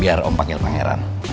biar om panggil pangeran